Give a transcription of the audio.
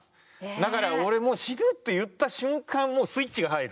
だから「俺もう死ぬ」って言った瞬間もうスイッチが入る。